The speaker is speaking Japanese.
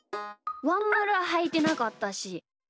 ワンまるははいてなかったし。